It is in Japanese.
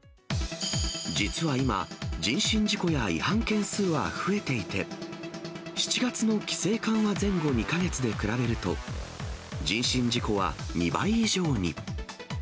実は今、人身事故や違反件数は増えていて、７月の規制緩和前後２か月で比べると、人身事故は２倍以上に。